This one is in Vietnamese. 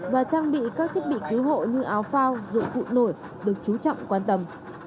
và trang bị các thiết bị cứu hộ như áo phao dụng cụ nổi được chú trọng quan tâm